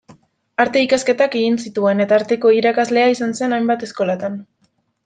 Arte-ikasketak egin zituen, eta Arteko irakaslea izan zen hainbat eskolatan.